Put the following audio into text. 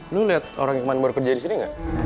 lu lihat orang yang kemanbor kerja di sini nggak